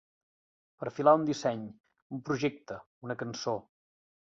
Perfilar un disseny, un projecte, una cançó.